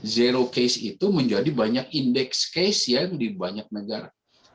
zero case itu menjadi banyak indeks case ya di banyak negara